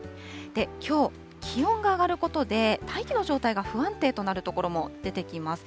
きょう、気温が上がることで、大気の状態が不安定となる所も出てきます。